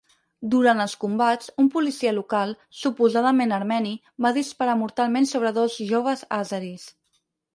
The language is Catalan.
Durant els combats, un policia local, suposadament armeni, va disparar mortalment sobre dos joves àzeris.